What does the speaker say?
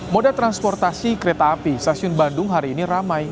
moda transportasi kereta api stasiun bandung hari ini ramai